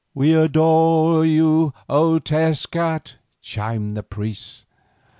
"We adore you, O Tezcat!" chimed in the priests.